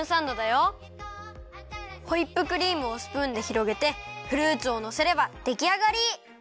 ホイップクリームをスプーンでひろげてフルーツをのせればできあがり！